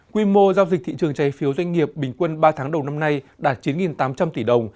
quy mô giao dịch thị trường trái phiếu doanh nghiệp bình quân ba tháng đầu năm nay đạt chín tám trăm linh tỷ đồng